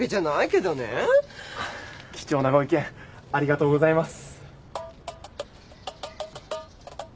貴重なご意見ありがとうございます。